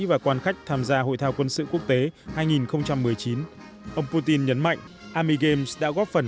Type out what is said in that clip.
và quan khách tham gia hội thao quân sự quốc tế hai nghìn một mươi chín ông putin nhấn mạnh army games đã góp phần